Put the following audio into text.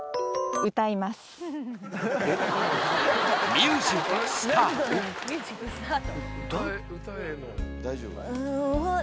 ミュージックスタート